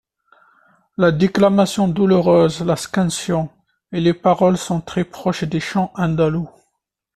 La déclamation douloureuse, la scansion, et les paroles sont très proches des chants andalous.